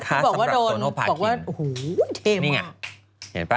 ที่บอกว่าโดนบอกว่าโอ้โหเทพนี่ไงเห็นป่